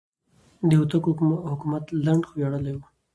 د هوتکو حکومت لنډ خو ویاړلی و.